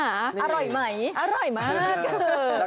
อร่อยไหมอร่อยมากคือ